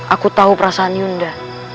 aku tahu perasaan yunda